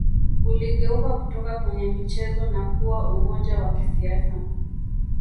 Uligeuka kutoka kwenye michezo na kuwa umoja wa kisiasa